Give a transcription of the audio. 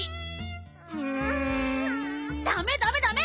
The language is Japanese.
うん。ダメダメダメ！